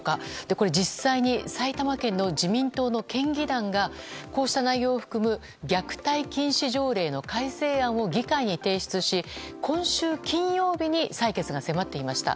これ、実際に埼玉県の自民党の県議団がこうした内容を含む虐待禁止条例の改正案を議会に提出し、今週金曜日に採決が迫っていました。